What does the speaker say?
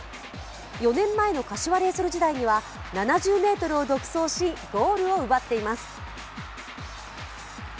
４年前の柏レイソル時代には７０ｍを独走しゴールを奪っています。